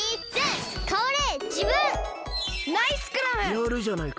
やるじゃないか！